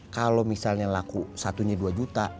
kalau misalnya laku satunya dua juta